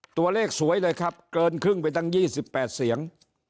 ตัวเลขสวยเลยครับเกินครึ่งไปตั้ง๒๘เสียง